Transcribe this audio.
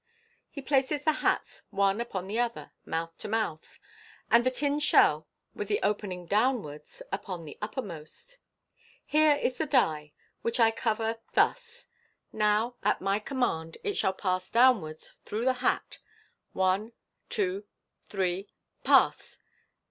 He places the hats one upon the other, mouth to mouth, and the tin shell, with the opening downwards, upon the uppermost. " Here is the die, which I cover, thus. Now, at my command it shall pass downwards through the hat. One, two, three ! Pass